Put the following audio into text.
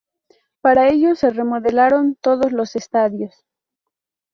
Para ello se remodelaron todos los estadios.